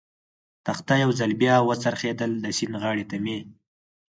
تخته یو ځل بیا و څرخېدل، د سیند غاړې ته مې.